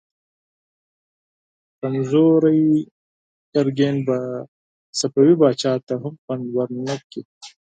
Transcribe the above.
کمزوری ګرګين به صفوي پاچا ته هم خوند ورنه کړي.